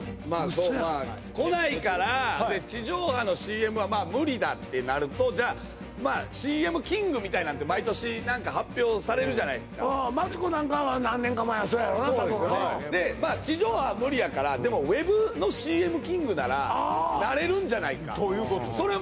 嘘や来ないからで地上波のＣＭは無理だってなるとじゃあまあＣＭキングみたいなんて毎年発表されるじゃないですかマツコなんかは何年か前はそうやろうな多分でまあ地上波は無理やからでもｗｅｂのＣＭキングならあなれるんじゃないかそれ